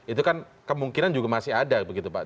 itu kan kemungkinan juga masih ada begitu pak